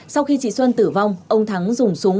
sau khi chị xuân tử vong ông thắng dùng súng